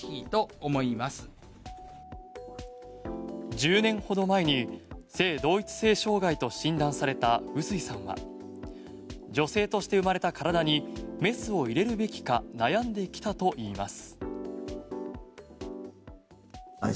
１０年ほど前に性同一性障害と診断された臼井さんは女性として生まれた体にメスを入れるべきか悩んできたといいます。